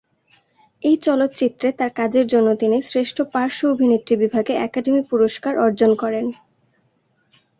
এই চলচ্চিত্রে তার কাজের জন্য তিনি শ্রেষ্ঠ পার্শ্ব অভিনেত্রী বিভাগে একাডেমি পুরস্কার অর্জন করেন।